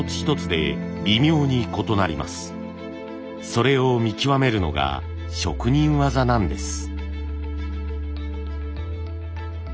それを見極めるのが職人技なんです。